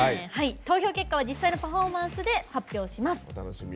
投票結果は実際のパフォーマンスで発表します。